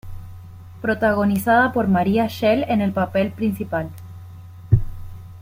Protagonizada por María Schell en el papel principal.